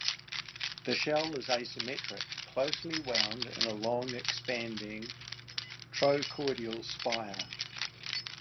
The shell is asymmetric, closely wound in a long expanding trochoidal spire.